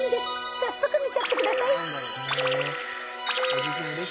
早速見ちゃってください。